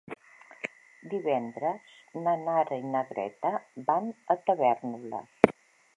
Divendres na Nara i na Greta van a Tavèrnoles.